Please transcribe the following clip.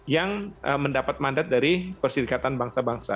yang mendapat mandat dari perserikatan bangsa bangsa